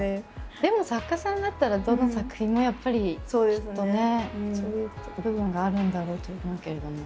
でも作家さんだったらどの作品もやっぱりきっとねそういう部分があるんだろうと思うけれども。